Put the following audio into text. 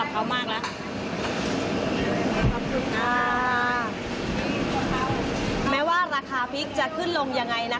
ขึ้นราคาของไม่ได้